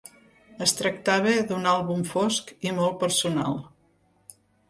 Es tractava d'un àlbum fosc i molt personal.